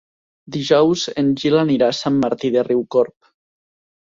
Dijous en Gil anirà a Sant Martí de Riucorb.